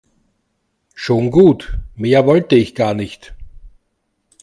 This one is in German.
Schon gut, mehr wollte ich gar nicht.